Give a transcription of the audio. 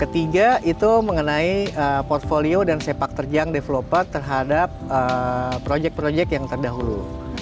ketiga itu mengenai portfolio dan sepak terjang developer terhadap proyek proyek yang terdahulu